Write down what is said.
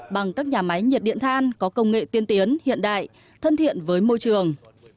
bằng các nhà máy nhiệt điện than có công nghệ tiên tiến hiện đại thân thiện với môi trường